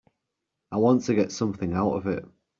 I want to get something out of it.